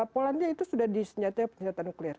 polandia itu sudah disenjatai senjata nuklir